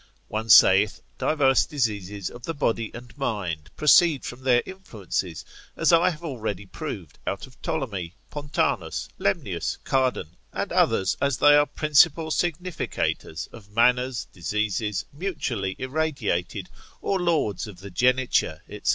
One saith, diverse diseases of the body and mind proceed from their influences, as I have already proved out of Ptolemy, Pontanus, Lemnius, Cardan, and others as they are principal significators of manners, diseases, mutually irradiated, or lords of the geniture, &c.